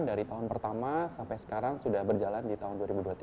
dari tahun pertama sampai sekarang sudah berjalan di tahun dua ribu dua puluh tiga